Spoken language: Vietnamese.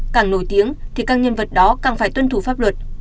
càng nổi tiếng thì các nhân vật đó càng phải tuân thủ pháp luật